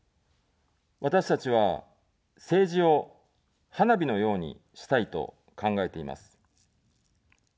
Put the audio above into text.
私たちは、政治を花火のようにしたいと考えています。